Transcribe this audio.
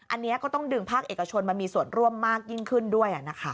อันนี้ก็ต้องดึงภาคเอกชนมามีส่วนร่วมมากยิ่งขึ้นด้วยนะคะ